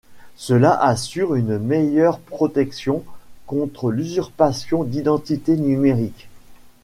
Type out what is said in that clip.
Cela assure une meilleure protection contre l'usurpation d’identité numérique.